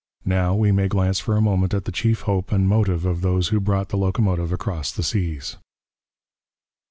Now we may glance for a moment at the chief hope and motive of those who brought the locomotive across the seas.